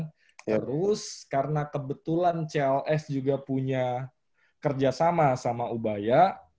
terus karena kebetulan cls juga punya kerjasama sama ubaya